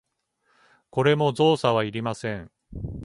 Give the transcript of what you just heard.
これも造作はいりません。